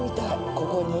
ここに。